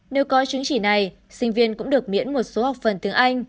nếu có chứng chỉ này sinh viên cũng được miễn một số học phần tiếng anh